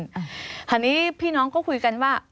เพราะว่าเนี่ยทันหนึ่งพี่น้องก็คุยกันว่า